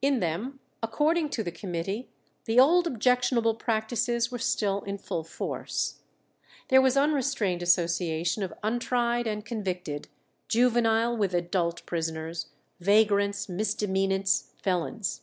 In them, according to the committee, the old objectionable practices were still in full force. There was unrestrained association of untried and convicted, juvenile with adult prisoners, vagrants, misdemeanants, felons.